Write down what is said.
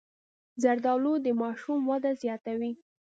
زردالو د ماشوم وده زیاتوي.